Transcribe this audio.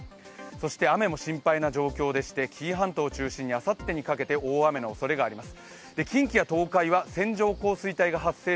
そして雨も心配な状況でして紀伊半島を中心にあさってにかけて大雨のおそれがあります。